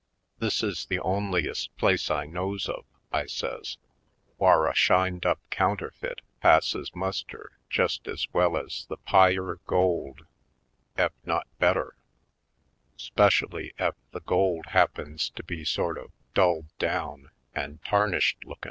This is the onliest place I knows of," I says, "whar a shined up counterfeit passes muster jest ez well ez the pyure gold, ef not better, 'specially ef the gold happens to be sort of dulled down an' tarnished lookin'.